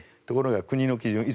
ところが国の基準